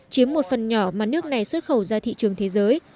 chiếm một phần nhỏ mà nước này xuất khẩu ra thị trường thế giới